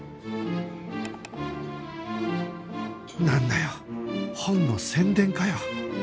なんだよ本の宣伝かよ